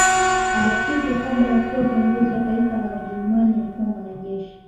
Adolf Hilter kabla ya kuwa kiongozi Wa Taifa la ujerumani alikuwa mwanajeshi